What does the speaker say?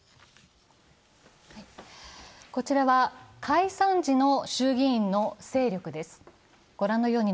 こちらは解散時の衆議院の勢力です。